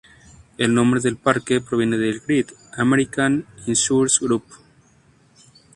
El nombre del parque proviene del Great American Insurance Group.